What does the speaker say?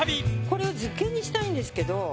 これを漬けにしたいんですけど。